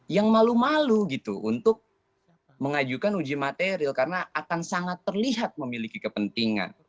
yang malu malu gitu untuk mengajukan uji materi karena akan sangat terlihat memiliki kepentingan